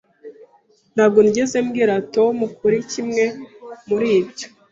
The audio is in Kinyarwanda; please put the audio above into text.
Ntabwo nigeze mbwira Tom kuri kimwe muri ibyo.